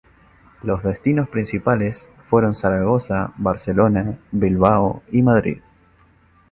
Los destinos principales fueron Zaragoza, Barcelona, Bilbao y Madrid.